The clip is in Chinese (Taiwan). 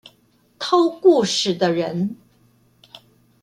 偷故事的人